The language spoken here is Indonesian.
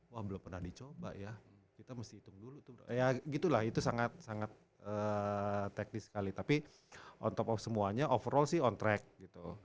wah belum pernah dicoba ya kita mesti hitung dulu tuh ya gitu lah itu sangat sangat teknis sekali tapi on top of semuanya overall sih on track gitu